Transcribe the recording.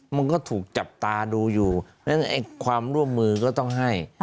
มันก็ถูกจับตาดูอยู่ฉะนั้นความร่วมมือก็ต้องให้